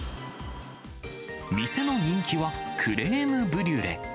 店の人気は、クレームブリュレ。